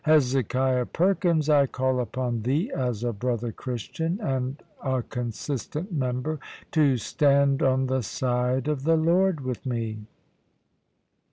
Hezekiah Perkins, I call upon thee, as a brother Christian, and a consistent member, to stand on the side of the Lord with me."